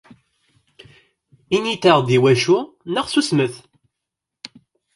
Init-aɣ-d iwacu, neɣ susmet!